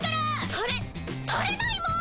垂れ⁉垂れないもん！